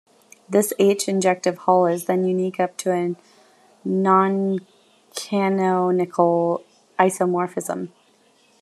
This "H"-injective hull is then unique up to a noncanonical isomorphism.